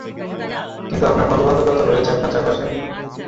কিন্তু, আপনার বন্ধুবান্ধবরা তো রয়েছে আপনার চারপাশে?